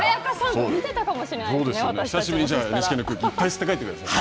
久しぶりにＮＨＫの空気をいっぱい吸ってください。